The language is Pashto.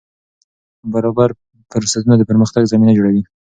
برابر فرصتونه د پرمختګ زمینه جوړوي.